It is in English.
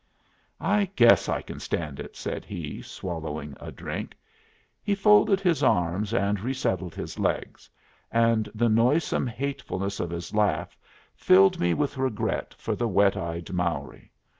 "I guess I can stand it," said he, swallowing a drink. He folded his arms and resettled his legs; and the noisome hatefulness of his laugh filled me with regret for the wet eyed Mowry.